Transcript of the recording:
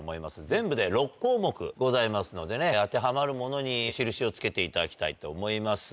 全部で６項目ございますのでね当てはまるものに印をつけていただきたいと思います。